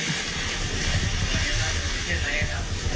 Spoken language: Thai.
สวัสดีค่ะที่จอมฝันครับ